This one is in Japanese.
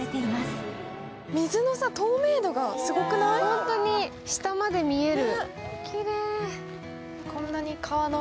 ホント、下まで見える。